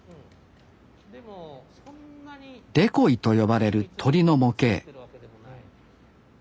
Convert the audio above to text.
デコイと呼ばれる鳥の模型